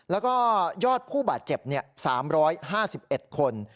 แล้วก็ยอดผู้บาดเจ็บ๓๕๑คน